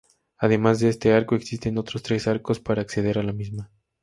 Además de este arco, existen otros tres arcos para acceder a la misma.